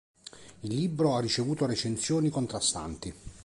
Il libro ha ricevuto recensioni contrastanti.